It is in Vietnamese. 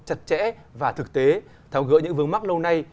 chặt chẽ và thực tế tháo gỡ những vướng mắc lâu nay